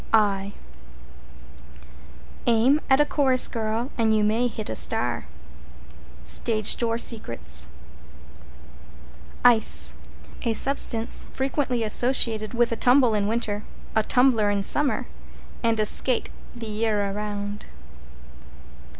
I Aim at a chorus girl and you may hit a star. Stage Door Secrets. =ICE= A substance frequently associated with a tumble in winter, a tumbler in summer, and a skate the year around.